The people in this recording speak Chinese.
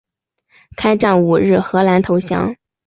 开战五日荷兰投降。